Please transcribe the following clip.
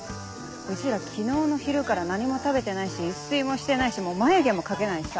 うちら昨日の昼から何も食べてないし一睡もしてないし眉毛も描けないしさ。